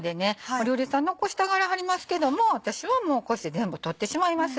お料理屋さん残したがらはりますけども私はもうこうして全部取ってしまいます。